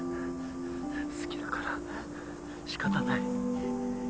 好きだから仕方ない。